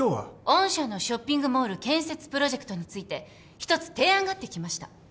御社のショッピングモール建設プロジェクトについてひとつ提案があって来ました。